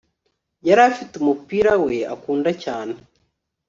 yarafite umupira we akunda cyane